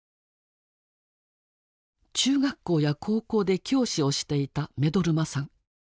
中学校や高校で教師をしていた目取真さん。